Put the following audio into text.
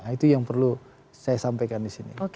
itu yang perlu saya sampaikan di sini